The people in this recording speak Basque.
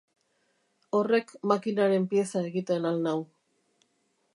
Horrek makinaren pieza egiten al nau?